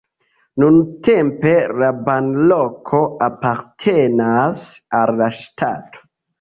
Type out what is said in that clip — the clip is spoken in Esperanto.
Nuntempe la banloko apartenas al la ŝtato.